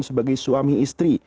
sebagai suami istri